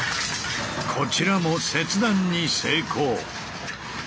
こちらも切断に成功。